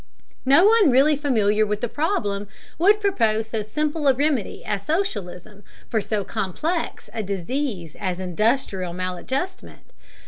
No one really familiar with the problem would propose so simple a remedy as socialism for so complex a disease as industrial maladjustment.